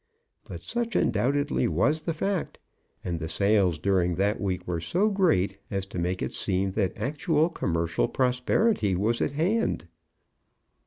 But such undoubtedly was the fact, and the sales during that week were so great, as to make it seem that actual commercial prosperity was at hand.